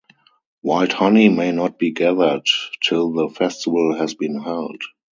Wild honey may not be gathered till the festival has been held.